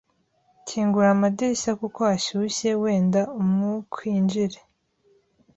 Kingura amadirishya kuko hashyushye wenda umwukwinjire.